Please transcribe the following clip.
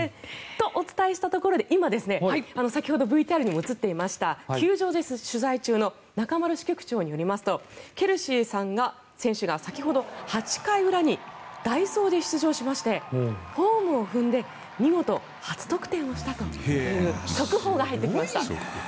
と、お伝えしたところで今、先ほどＶＴＲでも映っていました球場で取材中の中丸支局長によりますとケルシー選手が先ほど８回裏に代走で出場しましてホームを踏んで見事、初得点をしたという速報が入ってきました。